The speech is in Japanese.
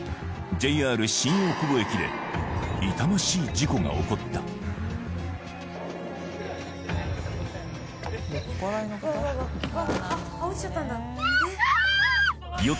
ＪＲ新大久保駅で痛ましい事故が起こったキャーッ！